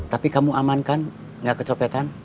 tapi kamu aman kan gak kecopetan